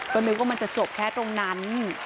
ก็นึกว่ามันจะจบแค่ตรงนั้น